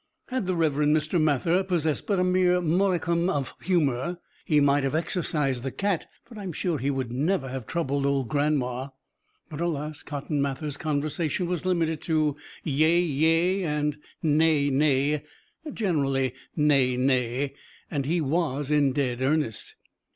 Had the Reverend Mr. Mather possessed but a mere modicum of humor he might have exorcised the cat, but I am sure he would never have troubled old gran'ma. But alas, Cotton Mather's conversation was limited to yea, yea, and nay, nay generally, nay, nay and he was in dead earnest.